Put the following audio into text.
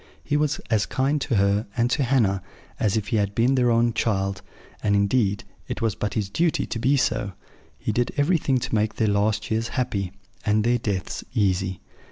He was as kind to her, and to Hannah, as if he had been their own child: and, indeed, it was but his duty to be so: he did everything to make their last years happy, and their deaths easy.